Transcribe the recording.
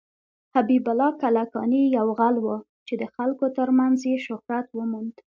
حبيب الله کلکاني يو غل وه ،چې د خلکو تر منځ يې شهرت وموند.